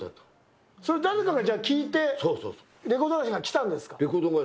それ、誰かが、じゃあ、聞いて、レコード会社が来たんですか。